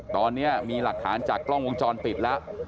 ตอนนี้มีหลักฐานจากกล้องวงจรปิดแล้ว